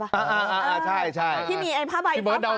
ใช่พี่เบิร์ตแคบที่มีภาพบ่ายเพ้า